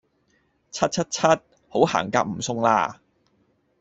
柒柒柒好行夾唔送啦